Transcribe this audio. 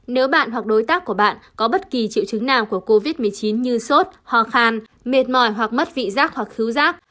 nếu bạn hoặc đối tác của bạn có bất kỳ triệu chứng nào của covid một mươi chín như sốt hoa khàn mệt mỏi hoặc mất vị giác hoặc khứu giác